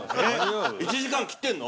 ◆１時間切ってんの？